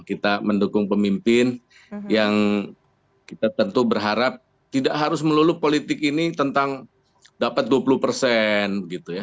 kita mendukung pemimpin yang kita tentu berharap tidak harus melulu politik ini tentang dapat dua puluh persen